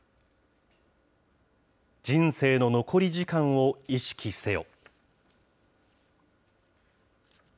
人生の残り時間を意識せよ。